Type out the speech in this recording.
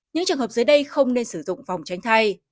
những trường hợp dưới đây không nên sử dụng vòng tránh thai